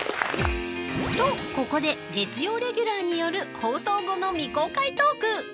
と、ここで月曜レギュラーによる放送後の未公開トーク！